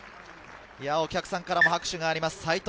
お客さんからも拍手があります。